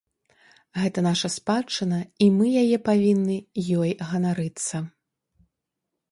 Гэта наша спадчына і мы яе павінны ёй ганарыцца.